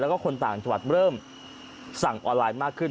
แล้วก็คนต่างจังหวัดเริ่มสั่งออนไลน์มากขึ้น